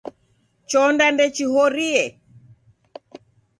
Chonda ndechihorie.